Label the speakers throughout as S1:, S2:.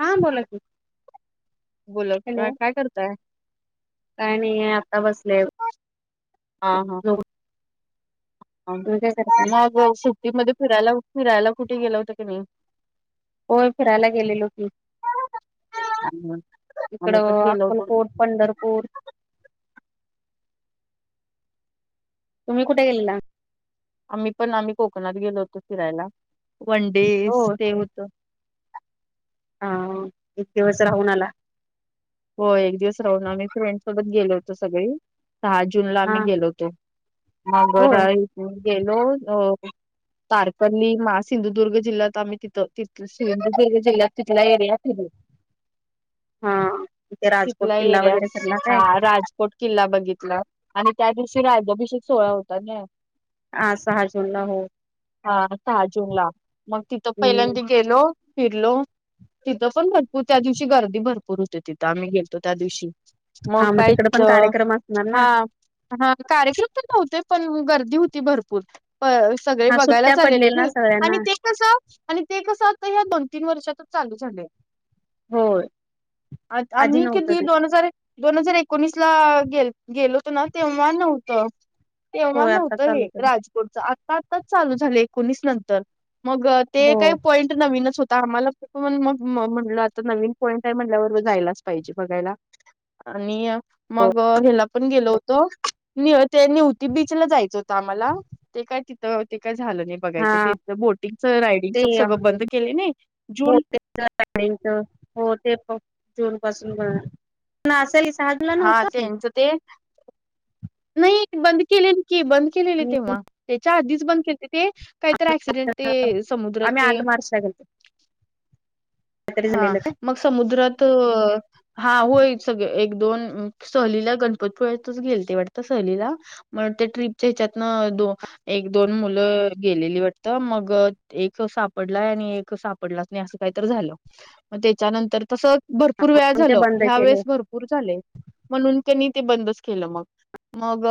S1: हा बोला की
S2: बोला की
S1: हॅलो
S2: काय करताय
S1: काय नाही आहे आता बसलेय.
S2: हा हा
S1: [unintelligible]
S2: मग सुट्टीमध्ये फिरायला फिरायला कुठे गेलं होतं की नाही?
S1: होय फिरायला गेलेली की
S2: आम्ही आम्ही पण
S1: तिकडं
S2: गेलो होतो.
S1: अक्कलकोट पंढरपूर तुम्ही कुठे गेलेला?
S2: आम्ही पण आम्ही कोकणात गेलो होतो फिरायला वन डे
S1: हो
S2: स्टे होत
S1: ह एक दिवस राहून आला.
S2: हो एक दिवस राहून आम्ही फ्रेंड सोबत गेलो होतो सगळी. सहा जून ला
S1: हा
S2: मी गेलो होतो मग
S1: होय
S2: मी गेलो अ तारकली महा सिंधुदुर्ग जिल्ह्यात आम्ही तिथं तिथ जे जिल तिथला एरिया तिथे
S1: हं
S2: तिथला एरिया हा राजकोट किल्ला बघितला. आणि त्या दिवशी राजाभिषेक सोहळा होता न
S1: ह सहा जून ला हो
S2: हा सहा जून ला मग तिथं
S1: हम्म
S2: पहिल्यांद गेलो फिरलो तिथं पण भरपूर त्या दिवशी गर्दी भरपूर होते. तिथ आम्ही गेलो होतो, त्या दिवशी मग
S1: हा तिकडे
S2: काहीच
S1: पण कार्यक्रम असणार ना
S2: हा हा कार्यकम तर नव्हते पण गर्दी होती भरपूर. सगळे
S1: हा
S2: बघायला
S1: सुट्ट्या पडलेल ना
S2: चालेले आणि
S1: सगळ्यांना
S2: ते कस आणि ते कसं आता ह्या दोन तीन वर्षातच चालू झालंय.
S1: होय. आधी
S2: आम्ही
S1: नव्हतं
S2: किती
S1: ते
S2: दोन हजार दोन हजार एकोणीस ला गे गेलो होतो ना तेव्हा नव्हतं. तेव्हा
S1: होय आता
S2: नव्हतं हे
S1: चालू केलं
S2: राज [unintelligible] आता आताच चालू झाले एकोणीस नंतर मग ते
S1: हो
S2: काही पॉईंट नवीनच होता आम्हाला म्हट नवीन पॉंट म्हट यलाच पाहिजे बघायला आणि मग ह. पण गेलो होतो निव ते निवती बीच ला जायचं होतं आम्हाला ते काय तिथं ते काय झालं नाही.
S1: हा
S2: बघायचं तेच बोटिंग च रायडिंग
S1: ते
S2: च सगळं
S1: हो
S2: बंद केले नइ जून
S1: [unintelligible] हो ते जून पासून बघा
S2: हा
S1: [inaudible]
S2: ते नाइ बंद केलेली की बंद केलेली
S1: आम्ही
S2: तेव्हा तेच्या आधीच बंद केलं ते काहीतर ऍक्सिडेंट ते समुद्रात ते
S1: वर्षा गेलती.
S2: हा मग समुद्रात हा होय, सगळ एक दोन सहलीला गणपतपुळ्यातच गेलते वाटत सहलीला मग त्या ट्रीपच्या हिच्यातन दो एक दोन मुलं गेलेली वाटत मग एक सापडलाय आणि एक साप पडलाच नाही असं काहीतर झाल म तेच्या नंतर तस भरपूर वेळा
S1: पण
S2: झाल
S1: ते बंद
S2: ह्या
S1: केले
S2: वेळेस भर पूर झालय, म्हणून त्यांनी ते बंदच केलं मग मग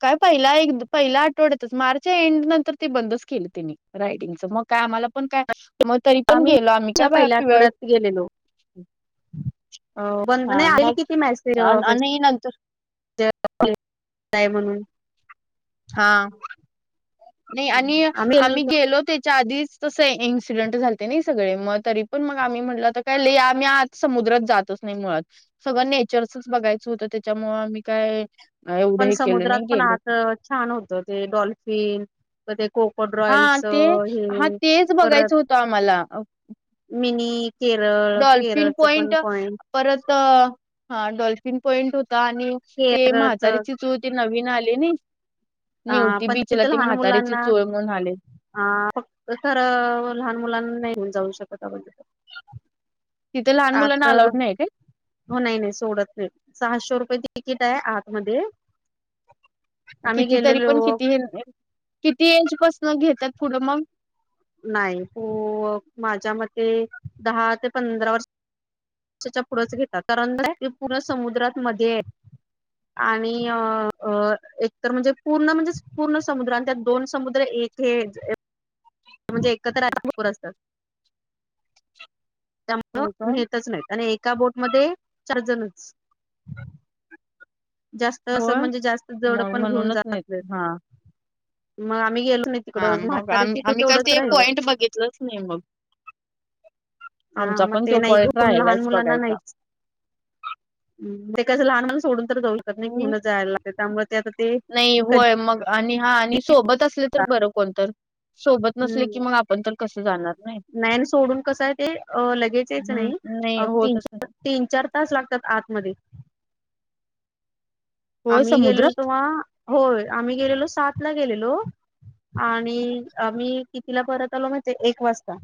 S2: काय पहिला एक पहिला आठवड्यातच मार्च्या एंड नंतर ती बंदच केली तिने रायडिंगच मग काय आम्हाला पण काय मग तरी पण
S1: आम्ही
S2: गेलो आम्
S1: च्या पहिल्या आठवड्यात गेलेलो. अ पण
S2: हा
S1: नाही आली
S2: मग
S1: किती मेसेज म्हज
S2: आणि नंतर
S1: [unintelligible] म्हणून
S2: हा नाही आणि आम्ही गेलो ते च्या आधीच तस इन्सिडेंट झालते नाही सगळे मग तरी पण मग आम्ही म्हटलं तर काय लय आमी आत समुद्रात जातच नाइ मुळात सगळं नेचर चच बघायचं होतं तेच्यामुळे आम्ही काय एवढं
S1: पण
S2: हे केलं
S1: समुद्रात
S2: नाही
S1: पण
S2: गेलो
S1: आत छान होत ते डॉल्फिन त ते कोकट
S2: हा ते
S1: रॉयलचं
S2: हा
S1: हे
S2: तेच
S1: परत
S2: बघायचं होतं आम्हाला
S1: मिनी केरळ केरळचं पण पॉइंट
S2: परत अं हा डॉल्फिन पॉइंट होता आणि ते
S1: केरळच
S2: म्हातारीची चूळ ते नवीन आले ना
S1: अ
S2: निवती
S1: पण
S2: बीचला ती म्हातारी्याची चूळ म्हण आले.
S1: आ फक्त खरं लहान मुलांना नाही, घेऊन जाऊ शकत आपण तिथं
S2: तिथे लहान मुलांना
S1: आत
S2: अलाऊड नाही काय
S1: हो नाही नाही सोडत नाही सहाशे रुपये तिकीट आहे आतमध्ये आम्ही
S2: किती तरी पण
S1: गेलेलो
S2: किती हे -किती एज पासून घेत्यात पुढं मग?
S1: नाही हो माझ्या मते दहा ते पंधरा वर्ष च्या पुढंच घेतात कारण ते पूर्ण समुद्रात मध्ये आणि अं अ एकतर म्हणजे पूर्ण म्हणजे पूर्ण समुद्र आणि त्यात दोन समुद्र एक हेज म्हणजे एकत्रर, [unintelligible] त्यामुळं
S2: होय का
S1: नेतच नाहीत. आणि एका बोटमध्येध्ये चार जणच जास्त असं
S2: होय
S1: म्हणजे जास्त जड
S2: मग
S1: पण घेऊन
S2: म्हणूनच
S1: जात नाही,
S2: हा
S1: मग आम्ही गेलो नाही.
S2: हा
S1: तिकडं
S2: मग
S1: म्हातारीची
S2: आम्ही आम्ही का
S1: तेवढंच
S2: ते
S1: राहिलं
S2: पॉइंट बघितलंच नाइ मग
S1: हा
S2: आमचा
S1: मग
S2: पण
S1: ते
S2: तो
S1: नाही
S2: पॉईंट
S1: घेऊन लहान
S2: राहिलायच
S1: मुलांना
S2: बघायचा.
S1: नाहीच ते कसं लहान मुलांना सोडून तर जाऊ शकत नाइ घेऊनच जायला लागतंय त्यामुळे ते आता ते
S2: नाही होय मग आणि हा आणि सोबत असले तर बरं कोणत सोबत नसले की
S1: हम्म
S2: मग आप कोण तर कसं जाणार नाइ.
S1: नाही आणि सोडून कसं आहे ते लगेच यायचं
S2: हम्म
S1: नाही तीन
S2: होतच नाही
S1: चार तीन चार तास लागतात आतमध्ये
S2: होय
S1: आम्ही गेलेलो
S2: समुद्रात
S1: तेव्हा होय आम्ही गेलेलो सात ला गेलेलो आणि मी कितीला परत आलो माहिजे एक वाजता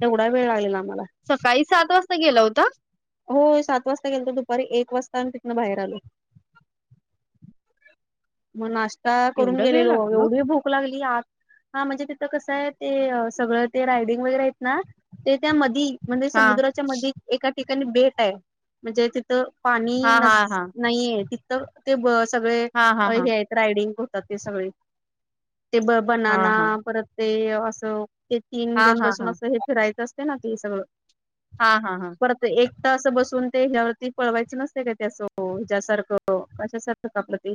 S1: तेवढा वेळ लागेल आम्हाला
S2: सकाळी सात वाजता गेला होता.
S1: हो सात वाजता गेल तरो दुपारी एक वाजता आणि तिकनं बाहेर आलो. मग नाश्ता करून
S2: एवढा वेळ
S1: गेलेलो
S2: लागलो
S1: एवढी भूक लागली आत हा म्हणजे तिथं कसं हाय ते सगळं ते रायडिंग वगैरे आहेत ना ते त्या मधी म्हणजे
S2: हा
S1: समुद्राच्या मध्यी एका ठिकाणी बेटाय म्हणजे तिथं पाणी
S2: हा हा
S1: नस
S2: हा
S1: नाहीये तिथं ते सगळे
S2: हा हा हा
S1: हे आहेत. रायडिंग होतात ते सगळे ते ब
S2: हा
S1: बनना
S2: हा
S1: परत ते असं ते तीन
S2: हा
S1: जण
S2: हा हा
S1: बसून असं हे फिरायचं असते ना ते सगळं
S2: हा हा हा.
S1: परत एकट असं बसून ते हिच्या्यावरती पळवायचं नसते काय ते असं हिच्यासारखं कश सारखं का आपलं ते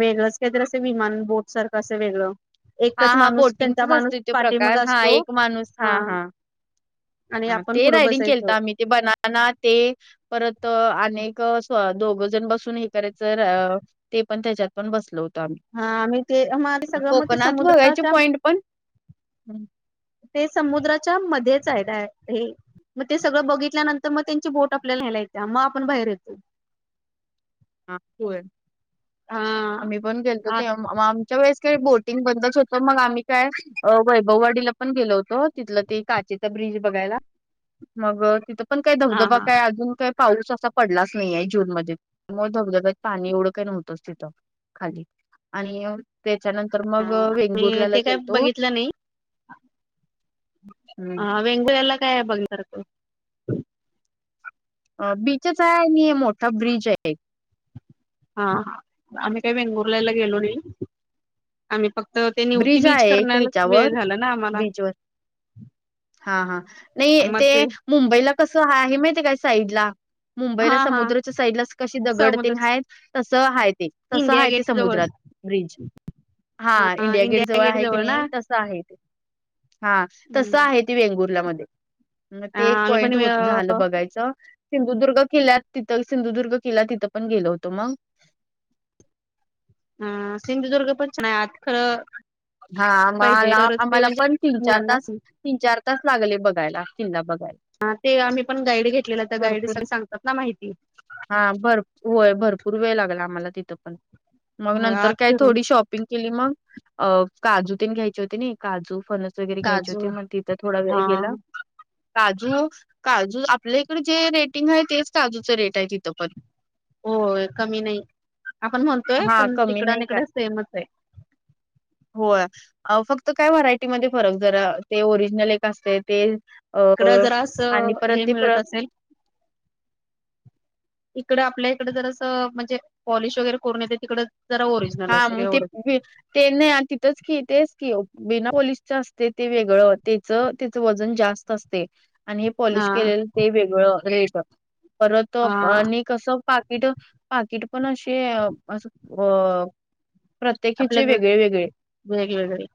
S1: वेगळंच काहीतरी अस विमान बोट सारखं असं वेगळं
S2: हा,
S1: एकच
S2: हा
S1: माणूस त्यांचा
S2: बोटिंगचच असत
S1: माणूस
S2: तो
S1: पाठीमाग
S2: प्रकार, हा
S1: असतो
S2: एक माणूस हा हा.
S1: आणि
S2: ह
S1: आपण
S2: ते
S1: पुढं
S2: रायडिंग केलत
S1: बसायचो
S2: आम्ही ते बनना ते. परत अनेक दोघ जण बसून हे करायचं र ते पण त्याच्यात पण बसल होतो आम्ही.
S1: हा आम्ही ते [unintelligible] सगळ म
S2: पण आत बघायचे पॉइंट पण
S1: ते समुद्राच्या मध्येच आहेत, डाय- हे मग ते सगळं बघितल्यानंत तर मग त्यांची बोट आपल्याला न्यायला येते मग आपण बाहेर येतो
S2: हा [unintelligible] हो
S1: हा
S2: आम्ही पण गेलतो
S1: हा
S2: ते आमच्या वेळेस काही बोटिंग बंदच होतं मग आम्ही काय वैभववाडीला पण गेलो होतो. तिथलं ते काचेचा ब्रिज बघायला मग तिथं पण, काय धबधबा
S1: हा
S2: काय अजून काय पाऊस असा पडलाच नाहीय जूनमध्ये मग धबधब्यात पाणी एवढं काय नव्हतच तिथं खाली आणि त्याच्यानंतर मग
S1: आणि
S2: वेंगुर्लाला
S1: ते काय
S2: गेलतो.
S1: बघितलं नाही
S2: हं.
S1: हा वेंगुर्ला काय बघण्यासारखं?
S2: अ बीचच आहे आणि मोठा ब्रिज आहे.
S1: हा आम्ही काय वेंगुरलेला गेलो नाही आम्ही फ तर ते निवती
S2: ब्रिज
S1: बीच
S2: आहे एक
S1: करण्याला वेळ
S2: ह्याच्यावर
S1: झाला ना आम्हाला.
S2: बीचवर हा हा नाही ते मुंबईला कसं आहे माहितीय काय साईडला? मुंबईला
S1: हा हा
S2: समुद्राच्या साईडला कशी दगड
S1: समुद्र
S2: तेन हाय ते तसं
S1: इंडिया
S2: हाय ते
S1: गेट जवळ
S2: समुद्रात. ब्रिज हा. इंडिया गेट जवळ आहे की नाही तसं आहे इथे. हा तसं
S1: हम्म
S2: आहे. ते वेंगुर्लामध्ये म ते एक
S1: आम्ही
S2: पॉईंट
S1: पण
S2: होतं झालं बघायचं. सिंधुदुर्ग किल्ला तिथं सिंधुदुर्ग किल्ला तिथं पण गेल होतो मग.
S1: हा सिंधुदुर्ग पण छान आहे आत खरं
S2: हा
S1: पाहिजे
S2: आम्हाला
S1: तरच ते
S2: आम्हाला
S1: म्हणजे
S2: पण तीन चार तास
S1: मुलांनाच
S2: तीन चार तास लागले बघायला तिनला बघायला.
S1: हा ते आम्ही पण गाईड घेतलेला त्या गाईड
S2: भरपूर
S1: [unintelligible] सांगतात ना माहितीये.
S2: हा भर होय भरपूर वेळ लागला आम्हाला तिथं पण मग
S1: हो
S2: नंतर
S1: आत
S2: काय
S1: फिरून
S2: थोडी शॉप [unintelligible] मग अ काजू ते घ्यायचे होती नी काजु फणस [unintelligible] वगैरे घ्यायचे होते
S1: काजू
S2: मग तिथं थोडा वेळ
S1: हा
S2: गेला. काजू काजू आपल्या इकडे जे रेटिंग आहे तेच काजूचं रेट आहे तिथं पण.
S1: होय कमी नाही आपणं म्हणतोय
S2: हा
S1: पण
S2: कमी
S1: तिकडं
S2: नाही
S1: निइकडं सेमच आहे.
S2: होय आ फक्त काय व्हरायटीमध्ये फरक जरा ते ओरिजनल एक असतयं तेच अ
S1: इकडं जरा
S2: आणि
S1: असं
S2: परत
S1: हे
S2: ते.
S1: मिळत
S2: [unintelligible]
S1: असेल इकडं आपल्या इकडं जरासं असं म्हणजे पॉलिश वगैरे करून येते तिकडे जरास ओरिजनल.
S2: हा मग ते [unintelligible] ते नाही तिथंच की तेच की बिना पाँलीशच असतयं ते वेगळं तेच तेज वजन जास्त असतयं, आणि हे
S1: हा
S2: पॉलिश केलेलं ते वेगळं रेट परत त
S1: हा
S2: आणि कसं पाकिट पाकिट पण असे अस अ प्रत्येकीचे
S1: आपल्यागत
S2: वेगळे वेगळे
S1: वेगवेगळे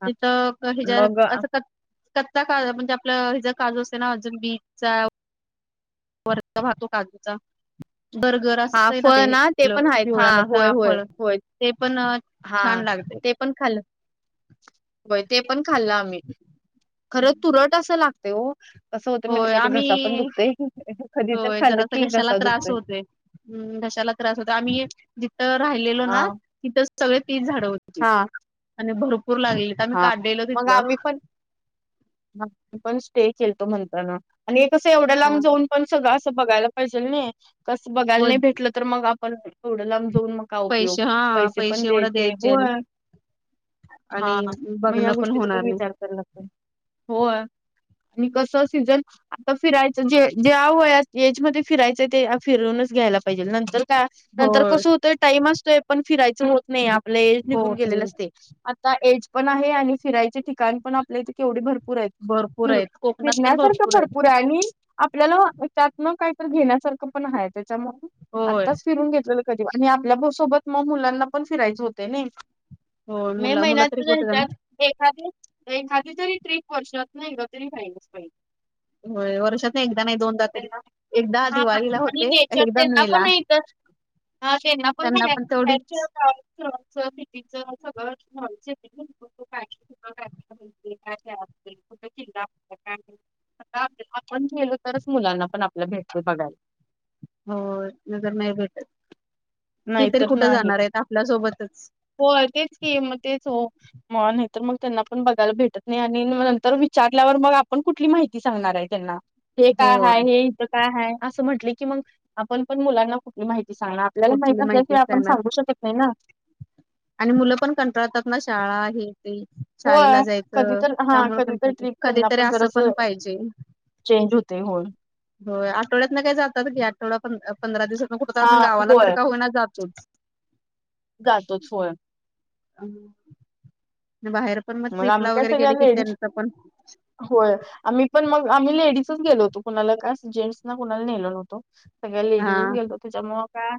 S1: तिथं.
S2: मग
S1: [unintelligible] [unintelligible] म्हणजे आपलं हेजा काजू असते ना [unintelligible] बीजचा वरचा भाग तो काजूचा. बर्गर
S2: हा
S1: असतयं ना
S2: फळ
S1: ते
S2: पण आहेत हा होय होय
S1: पिवळ्यावर [unintelligible]
S2: होय
S1: ते पण
S2: हा
S1: छान लागते
S2: ते पण खाल्ल. होय ते पण खाल्लं आम्ही खरं तुरट असं लागते हो. कस होतंय माहित
S1: होय
S2: काय ते घसा पण
S1: आम्ही
S2: दुखतोय कधी तर खाल्लं की घसा दुखतोय.
S1: हम् घशाला त्रास होत आम्ही जिथं राहिलेलो
S2: हा
S1: ना तिथं सगळे तिच झाड होती.
S2: हा
S1: आणि भरपूर लागले.
S2: हा मग आम्ही पण आपण स्टे केलतो म्हणताना, आणि हे कसं हाय एवढ्या लांब जाऊन पण सगळं असं बघायला पाहिजेल नाही कसं बघायला
S1: हो
S2: नाही भेटलं तर मग आपण एवढं लांब जाऊन मग का उपयोग?
S1: पैसे हा
S2: पैसे पण
S1: एवढं
S2: द्यायचे
S1: आणि
S2: होय हा
S1: आणि
S2: मग या
S1: बघणं
S2: गोष्टीचा पण
S1: होणार नाही
S2: विचार करायला लागतो हो आणि कस सीझन आता फिरायचं जे ज्या वयात एजमध्ये फिरायचंय ते फिरूनच घ्यायला पाहिजे नंतर का नंतर
S1: होय
S2: कसं होतोय टाइम असतोय पण फिरायचं होत नाही, आपलं एज निघून
S1: होत
S2: गेलेलं
S1: नाही
S2: असतयं. आता एज पण आहे आणि फिरायचे ठिकाण पण आपल्या इथे केवढी भर पुरयेत
S1: भरपूर
S2: फिर
S1: आहेत कोकणात तर
S2: फिरण्यासारखं
S1: आहेत
S2: भरपूर आहे आणि आपल्याला यांच्यातन काहीतरी घेण्यासारखं पण आहे त्याच्यामुळे
S1: होय
S2: आत्ताच फिरून घेतलेलं कधी आणि आपल्या सोबत मग मुलांना पण फिरायचे होते निइ.
S1: होय
S2: मे
S1: मुलं मुलं
S2: महिन्यात
S1: तरी
S2: सुधन.
S1: कुठे जाणार
S2: एखादी एखादी जरी ट्र्रीप वर्षातून एकदा तरी होयाला पाहिजे.
S1: हो वर्षात न एकदा नाही दोनदा तरी.
S2: त्यांना
S1: एकदा
S2: हा
S1: दिवाळीला
S2: आणि
S1: होते
S2: नेचर
S1: एकदा
S2: त्यांना
S1: मे
S2: पण
S1: ला
S2: आहेत. ह तेना पण
S1: त्यांना तेवढीच
S2: [unintelligible] सिटीच सगळंयच [unintelligible] आपण गेलो तरच मुलांना पण आपल्या भेटी बघायला.
S1: हो लगेच नाही भेटत हे तरी
S2: नाहीतर
S1: कुठं
S2: नाही
S1: जाणार आहेत आपल्या सोबतच.
S2: होय तेच की म तेच ओ. मग नाही तर मग त्यांना पण बघायला भेटत नाही आणि नंतर विचारल्यावर मग आपण कुठली माहिती किती सांगणार आहे त्यांना‌. हे
S1: हो
S2: काय ह हे इथं काय ह असं म्हटलं की मग आपण पण मुलांना कुठली माहिती सांगणार. आपही
S1: कुठली
S2: माहित असलं की
S1: माहितीच
S2: आपण
S1: जाणार
S2: सांगू शकत नाही ना.
S1: आणि मुलं पण कंटाळतात ना शाळा हे ते. शाळेला
S2: होय कधी
S1: जायचं
S2: तर हा कधी
S1: त्यामुळं
S2: तर ट्रिप त्यांना
S1: कधीतरी असं
S2: जरासं
S1: पण पाहिजे.
S2: चेंज होतय होय.
S1: होय आठवड्यातन काय जातात आठवडा पंधरा दिवसात कुठं तर
S2: हा
S1: आपण गावाला तर
S2: होय
S1: का होईना जातोच‌.
S2: जातोच होय.
S1: बाहेर पण मग
S2: आम्ही
S1: ट्रिपला
S2: काय
S1: वगैरे
S2: सगळ्या
S1: गेले की
S2: लेडीज
S1: त्यांच पण
S2: होय. आम्ही पण मग आम्ही लेडीजच गेलो होतो, कुणाला का जेंट्स ना कणाला नेलो नव्हतो. सगळ्या
S1: हा
S2: लेडीजच गेलो होतो. त्याच्यामुळं काय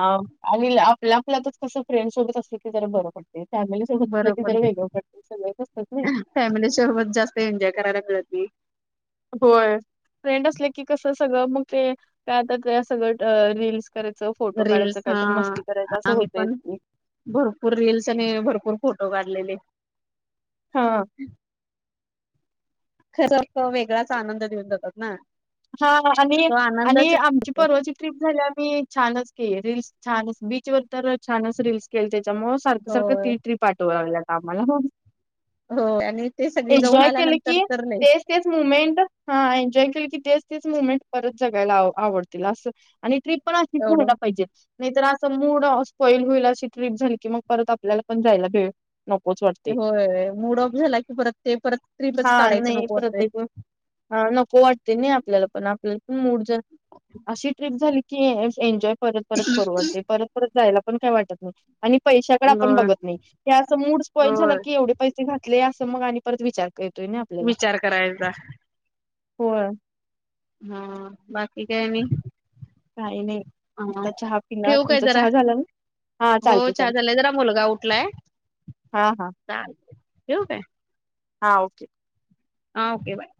S2: आणि आपल्या आपल्यातच कसं फ्रेंड सोबत असल की जरा बरं पडतेय. फॅमिलीच
S1: बरं
S2: सोबत
S1: पडत
S2: वेगळं पड सगळंच असतात नय.
S1: फॅमिली सोबत जास्त एन्जॉय करायला मिळत नाही.
S2: होय फ्रेंड असले की कसं सगळं मग ते काय आता सगळं रील्स करायच फोटो काढायचं
S1: रील्स
S2: काय
S1: हा
S2: तर मस्ती करायचं असं
S1: आम्ही
S2: होतयच
S1: पण
S2: ते.
S1: भरपूर रील्स आणि भरपूर फोटो काढलेले.
S2: हा.
S1: खरं असं वेगळाच आनंद देऊन जातात ना.
S2: हा आणि
S1: तो
S2: आणि
S1: आनंदच
S2: आमची परवाची ट्रिप झाल्या ती छानच की रील्स छान बीचवर तर छानच रील्स केलं त्यांच्यामुळ. सारखं सारखं
S1: होय
S2: ती टरी पाठवाल्यात आम्हाला हो.
S1: होय आणि ते सगळे जाऊन
S2: केलं
S1: आल्यानंतर
S2: की
S1: तर लय
S2: तेच तेच मुमेंट हा एन्जॉय केलीकी तेच तेच मुवमेंट परत जगायला आवडतील असं आणि ट्रीप पण अशीच
S1: एवढं
S2: व्हायला पाहिजे. नाही तर असं मूड आँफ होईल अशी ट्ररीप झाली की मग परत आपल्याला पण जायला भेळ नको.
S1: होय मूड ऑफ झाला की परत ते परत ट्ररीपच काढायचं
S2: नाही
S1: नको होतंय.
S2: प्रत्येक वेळ हा नको वाट ते नाही आपल्याला पण आपल्याला पण मूड अशी ट्ररीप झाली की एन्जॉय परत परत करू वाटते परत परत जायला पण काय वाटत नाही. आणि पैशाकडे आपण
S1: होय
S2: बघत नाही, हे असं मूड स्पॉईंट झालं
S1: होय
S2: की एवढ पैसे घातले असं मग आणि परत विचार करतोय ना आपल्याला
S1: विचार करायचा.
S2: होय.
S1: हा बाकी काय आणि
S2: काही नाही
S1: हा
S2: आता चहा पिणार
S1: ठेवू काय
S2: तुमचा
S1: जरा
S2: चहा झाला. हा
S1: हो
S2: चालते
S1: चहा
S2: चालते
S1: झालाय जरा मुलगा उठलाय.
S2: हा हा
S1: ठेवून काय.
S2: हा ओके!
S1: हा ओके बाय!